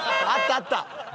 あった！